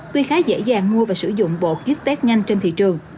tuy khá dễ dàng mua và sử dụng bộ ký xét nhanh trên thị trường